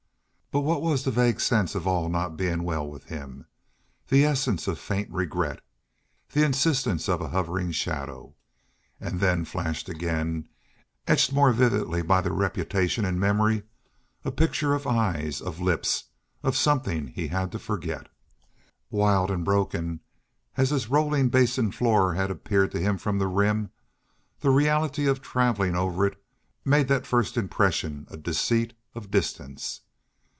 But what was the vague sense of all not being well with him the essence of a faint regret the insistence of a hovering shadow? And then flashed again, etched more vividly by the repetition in memory, a picture of eyes, of lips of something he had to forget. Wild and broken as this rolling Basin floor had appeared from the Rim, the reality of traveling over it made that first impression a deceit of distance.